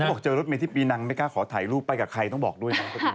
บอกเจอรถเมย์ที่ปีนังไม่กล้าขอถ่ายรูปไปกับใครต้องบอกด้วยนะ